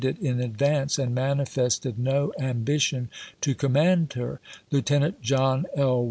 ''' it in advance and manifested no ambition to com '"^wi!*"' ma lid her. Lientenant John L.